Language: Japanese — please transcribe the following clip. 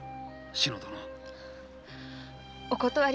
志乃殿！